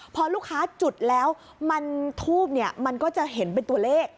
พอลูกค้าจุดแล้วมันทูบเนี่ยมันก็จะเห็นเป็นตัวเลข